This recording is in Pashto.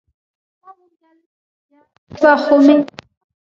ما وويل يه تبه خو مې نه وه.